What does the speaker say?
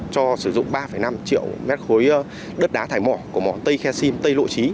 cho sử dụng ba năm triệu m ba đất đá thải mỏ của mỏ tây khe sim tây lộ trí